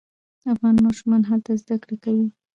افغان ماشومان هلته زده کړې کوي.